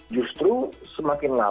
justru semakin lapar